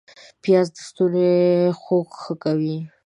پیاز د ستوني خوږ ښه کوي